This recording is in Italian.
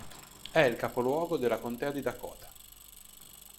È il capoluogo della contea di Dakota.